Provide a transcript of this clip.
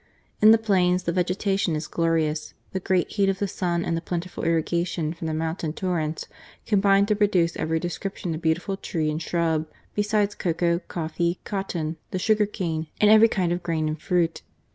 In the plains, the vegetation is glorious, the great heat of the sun and the plentiful irrigation from the mountain torrents, combine to produce every description of beautiful tree and shrub, .besides cocoa, coffee, cotton, the sugar cane, and every kind of grain and fruit.